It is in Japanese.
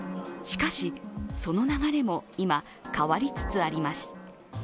しかし、その流れも今変わりつつあります。